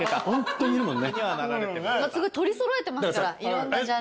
取り揃えてますからいろんなジャンルを。